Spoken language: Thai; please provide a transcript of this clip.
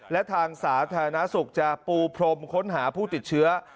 และทางสาธารณสุขจะปูพรมค้นหาผู้ติดเชื้อ